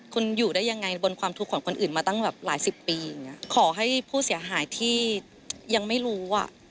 คุณอยู่ได้ยังไงบนความทุกข์ของคนอื่นมาตั้งแบบหลายสิบปีอย่างเงี้ยขอให้ผู้เสียหายที่ยังไม่รู้อ่ะ